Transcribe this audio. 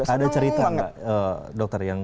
ada cerita nggak dokter yang